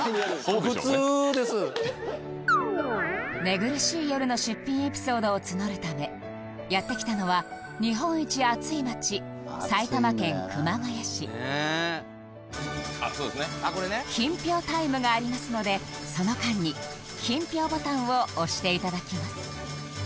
寝苦しい夜の出品エピソードを募るためやって来たのは品評タイムがありますのでその間に品評ボタンを押して頂きます